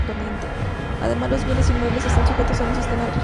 Además, los bienes inmuebles están sujetos a un sistema registral.